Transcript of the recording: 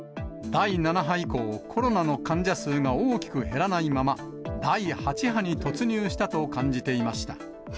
第７波以降、コロナの患者数が大きく減らないまま、第８波に突入したと感じていました。